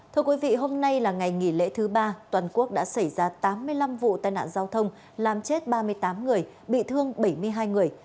thưa quý vị hôm nay là ngày nghỉ lễ thứ ba toàn quốc đã xảy ra tám mươi năm vụ tai nạn giao thông làm chết ba mươi tám người bị thương bảy mươi hai người